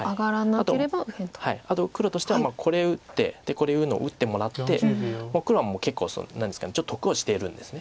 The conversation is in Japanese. あと黒としてはこれ打ってこういうの打ってもらって黒は結構何ですかちょっと得をしているんです。